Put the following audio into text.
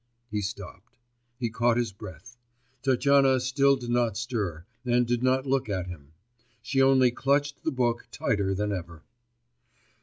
He stopped. He caught his breath. Tatyana still did not stir, and did not look at him; she only clutched the book tighter than ever.